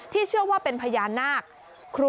เชื่อว่าเป็นพญานาค